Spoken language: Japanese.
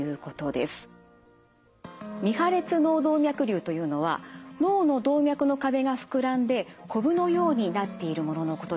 未破裂脳動脈瘤というのは脳の動脈の壁が膨らんでこぶのようになっているもののことです。